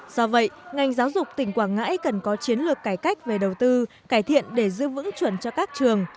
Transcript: do vậy ngành giáo dục tỉnh quảng ngãi cần có chiến lược cải cách về đầu tư cải thiện để dư vững chuẩn cho các trường